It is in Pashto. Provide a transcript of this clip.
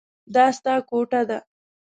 دا ستا کوټه ده.